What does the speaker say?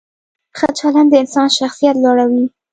ښه چلند د انسان شخصیت لوړوي.